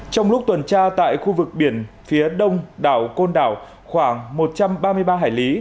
trong lúc tuần tra tại khu vực biển phía đông đảo côn đảo khoảng một trăm ba mươi ba hải lý